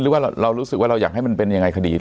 หรือว่าเรารู้สึกว่าเราอยากให้มันเป็นยังไงคดี